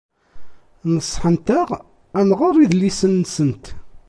Neṣṣḥent-aɣ ad nɣer idlisen-nsent.